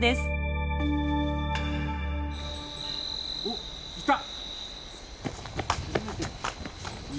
おっいた！